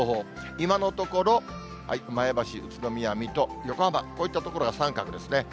今のところ、前橋、宇都宮、水戸、横浜、こういった所は三角ですね。